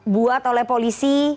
buat oleh polisi